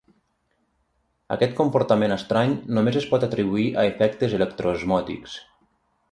Aquest comportament estrany només es pot atribuir a efectes electroosmòtics.